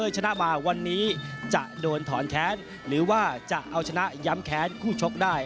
จะโดนถอนแค้นหรือว่าจะเอาชนะย้ำแค้นคู่ชกได้